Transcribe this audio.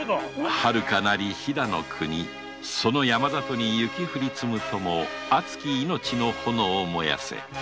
はるかなる飛の国その山里に雪降り積むとも熱き命の炎燃やせ。